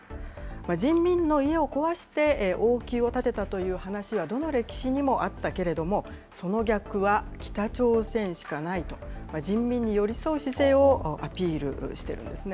人民の家を壊して王宮を建てたという話はどの歴史にもあったけれども、その逆は北朝鮮しかないと、人民に寄り添う姿勢をアピールしてるんですね。